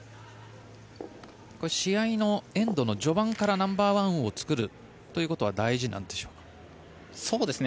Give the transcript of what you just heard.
試合のエンドの序盤からナンバーワンを作るということは大事なんでしょうか？